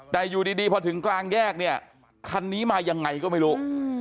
แต่อยู่ดีพอถึงกลางแยกเนี่ยคันนี้มายังไงก็ไม่รู้